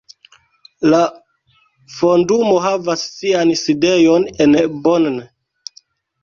La Fondumo havas sian sidejon en Bonn.